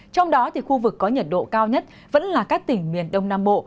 trong đó thì khu vực có nhiệt độ cao nhất vẫn là các tỉnh miền đông nam bộ